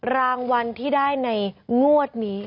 รางวัลที่ได้ในงวดนี้